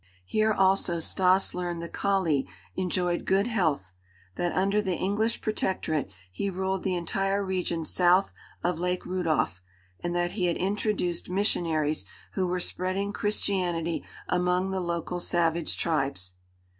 Here also Stas learned the Kali enjoyed good health; that under the English Protectorate he ruled the entire region south of Lake Rudolf, and that he had introduced missionaries who were spreading Christianity among the local savage tribes.